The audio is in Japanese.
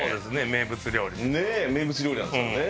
名物料理なんですよね。